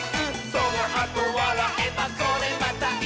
「そのあとわらえばこれまたイス！」